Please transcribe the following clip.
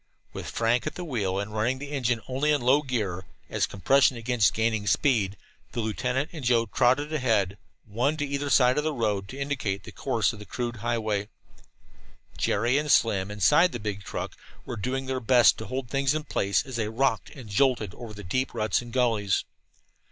With Frank at the wheel, and running the engine only in low gear, as compression against gaining speed, the lieutenant and Joe trotted ahead, one on either side of the road, to indicate the course of the crude highway. Jerry and Slim, inside the big truck, were doing their best to hold things in place as they rocked and jolted over the deep ruts and gullies.